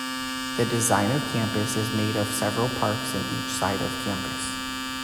The design of campus is made of several parks in each side of campus.